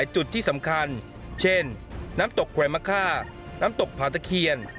จุดที่สำคัญเช่นน้ำตกแขวนมะค่าน้ำตกผาตะเคียน